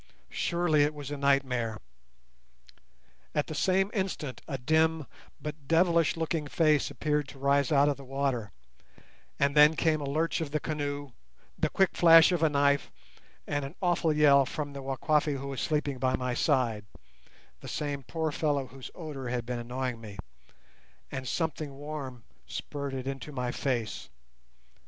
Surely it was a nightmare! At the same instant a dim but devilish looking face appeared to rise out of the water, and then came a lurch of the canoe, the quick flash of a knife, and an awful yell from the Wakwafi who was sleeping by my side (the same poor fellow whose odour had been annoying me), and something warm spurted into my face.